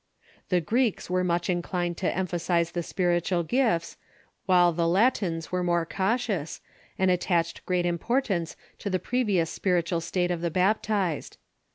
The Greeks were much inclined to em phasize the spiritual gifts, while the Latins were more cau tious, and attached great importance to the previous spiritual state of the baptized.